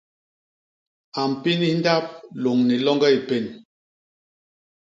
A mpinis ndap loñ ni loñge i pén.